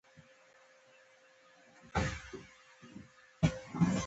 آیا د حلال او حرام کنټرول شته؟